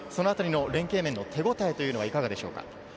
連係面の手応えはいかがですか？